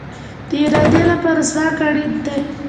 د ارادې لپاره ځواک اړین دی